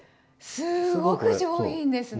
すごく上品ですね。